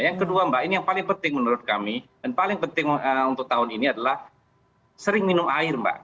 yang kedua mbak ini yang paling penting menurut kami dan paling penting untuk tahun ini adalah sering minum air mbak